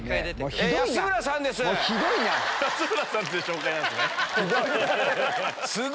「安村さん」っていう紹介なんですね。